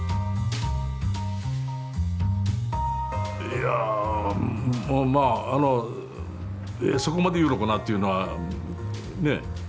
いやまあそこまで言うのかなっていうのはね。